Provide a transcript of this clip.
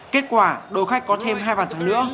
kết quả đội khách có thêm hai bàn thắng nữa